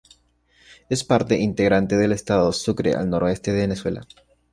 Es parte integrante del Estado Sucre al noroeste de Venezuela.